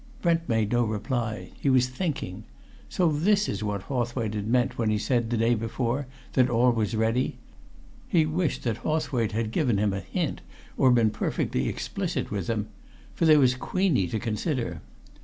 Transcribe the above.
Brent made no reply. He was thinking. So this was what Hawthwaite had meant when he said, the day before, that all was ready? He wished that Hawthwaite had given him a hint, or been perfectly explicit with him. For there was Queenie to consider.